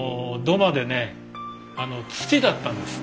土間でね土だったんです。